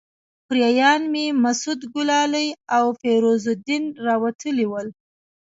خوریان مې مسعود ګلالي او فیروز الدین راوتلي ول.